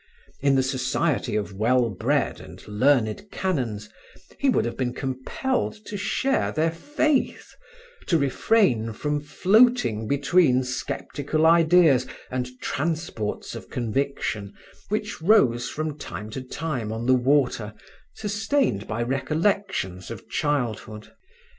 In the society of well bred and learned canons, he would have been compelled to share their faith, to refrain from floating between sceptical ideas and transports of conviction which rose from time to time on the water, sustained by recollections of childhood.